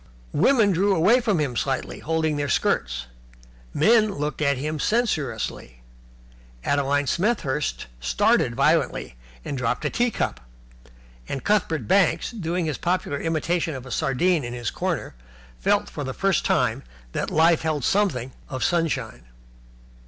Women drew away from him slightly, holding their skirts. Men looked at him censoriously. Adeline Smethurst started violently, and dropped a tea cup. And Cuthbert Banks, doing his popular imitation of a sardine in his corner, felt for the first time that life held something of sunshine.